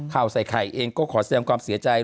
ข่าวใส่ไข่เองก็ขอแสดงความเสียใจ